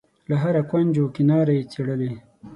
له هره کونج و کناره یې څېړلې.